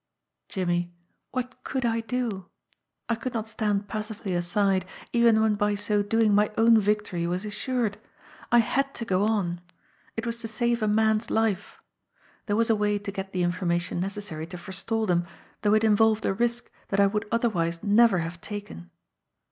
Jimmie, what could I do? I could not stand passively aside, even when by so doing my own victory was assured. I had to go on. It was to save a man's life. There was a way to get the information necessary to forestall them, though it involved a risk that I would otherwise never have taken.